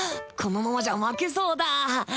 このままじゃ負けそうだ。